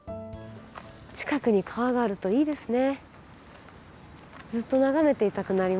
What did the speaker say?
近くに川があるといいですね。